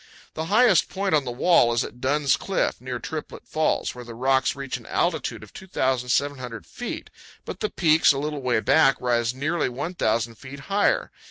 The highest point on the wall is at Dunn's Cliff, near Triplet Falls, where the rocks reach an altitude of 2,700 feet, but the peaks a little way back rise nearly 1,000 feet higher.